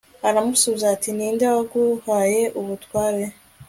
aramusubiza ati ni nde waguhaye ubutware